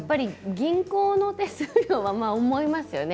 銀行の手数料は思いますよ。